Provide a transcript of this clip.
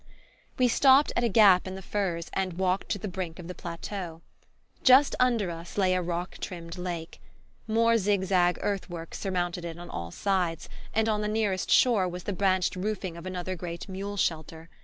We stopped at a gap in the firs and walked to the brink of the plateau. Just under us lay a rock rimmed lake. More zig zag earthworks surmounted it on all sides, and on the nearest shore was the branched roofing of another great mule shelter.